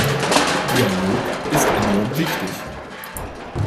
Dialog ist enorm wichtig.